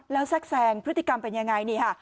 แล้วแซ่กแซ่งพฤติกรรมเป็นยังไง